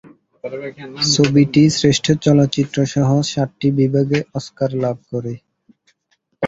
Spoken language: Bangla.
ছবিটি শ্রেষ্ঠ চলচ্চিত্রসহ সাতটি বিভাগে অস্কার লাভ করে।